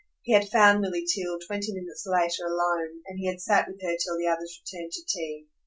He had found Milly Theale twenty minutes later alone, and he had sat with her till the others returned to tea.